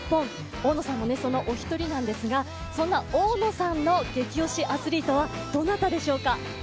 大野さんもそのお一人なんですがそんな大野さんの激推しアスリートはどなたでしょうか。